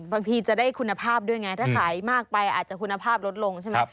บางทีจะได้คุณภาพด้วยไงถ้าขายมากไปอาจจะคุณภาพลดลงใช่ไหม